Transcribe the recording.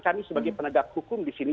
kami sebagai penegak hukum disini